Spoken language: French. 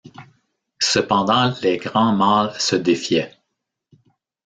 Cependant les grands mâles se défiaient.